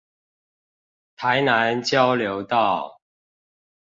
台南交流道